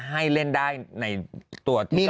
ให้เล่นได้ในตัวที่กำหนด